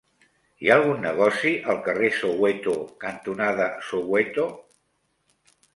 Hi ha algun negoci al carrer Soweto cantonada Soweto?